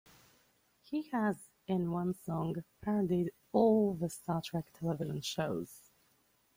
He has, in one song, parodied "all" the Star Trek television shows.